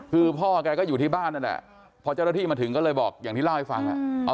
คือพ่อแกก็อยู่ที่บ้านนั่นแหละพอเจ้าหน้าที่มาถึงก็เลยบอกอย่างที่เล่าให้ฟัง